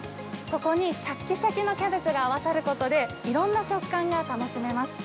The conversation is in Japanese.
そこにしゃきしゃきのキャベツが合わさることでいろんな食感が楽しめます。